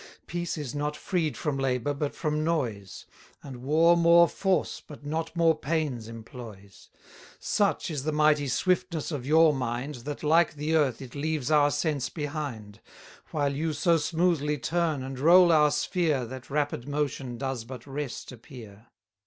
Peace is not freed from labour but from noise; And war more force, but not more pains employs; Such is the mighty swiftness of your mind, That, like the earth, it leaves our sense behind; 110 While you so smoothly turn and roll our sphere, That rapid motion does but rest appear.